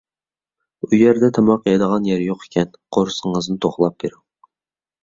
ئۇ يەردە تاماق يەيدىغان يەر يوق ئىكەن، قورسىقىڭىزنى توقلاپ بېرىڭ.